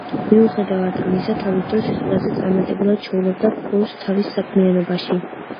მიუხედავად ამისა, თავის დროს ის ყველაზე წარმატებულად შოულობდა ფულს თავის საქმიანობაში.